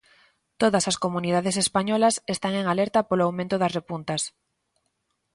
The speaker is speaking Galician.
Todas as comunidades españolas están en alerta polo aumento das repuntas.